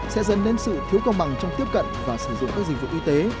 sẽ dần lên sự thiếu công bằng trong tiếp cận và sử dụng các dịch vụ y tế